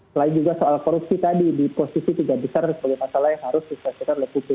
selain juga soal korupsi tadi di posisi tiga besar sebagai masalah yang harus diselesaikan oleh publik